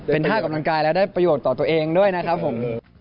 เป็นท่ากำลังกายและได้ประโยชน์ต่อตัวเองด้วยนะครับผม